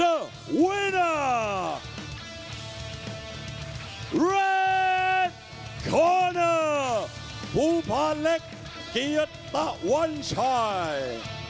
สองข้างสีปูพาเล็กเกียจตะวันชาย